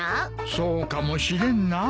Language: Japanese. そうかもしれんなあ。